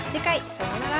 さようなら。